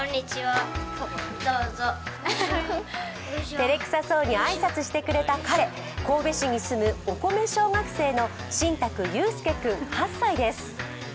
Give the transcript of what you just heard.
てれくさそうに挨拶したくれた彼、神戸市に住むお米小学生の新宅佑輔君、８歳です。